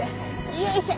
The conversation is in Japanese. よいしょ。